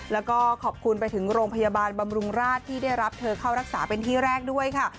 แล้วก็ขอบคุณไปถึงโรงพยาบาลบำรุงราชที่ได้รับเธอเข้ารักษาเป็นที่แรกด้วยค่ะ